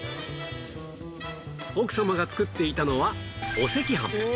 奥様が作っていたのはお赤飯